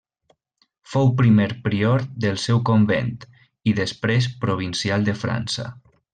Fou primer prior del seu convent i després provincial de França.